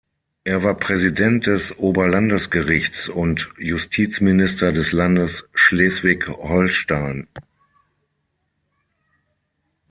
Er war Präsident des Oberlandesgerichts und Justizminister des Landes Schleswig-Holstein.